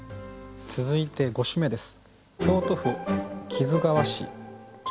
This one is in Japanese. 続いて５首目です。